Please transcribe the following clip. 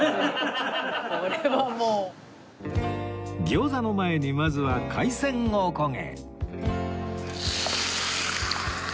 餃子の前にまずは海鮮おこげ